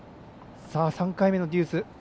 ３回目のデュース。